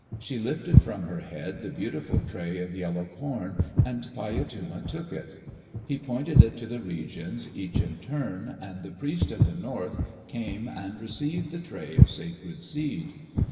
She lifted from her head the beautiful tray of yellow corn and Paiyatama took it. He pointed it to the regions, each in turn, and the Priest of the North came and received the tray of sacred seed.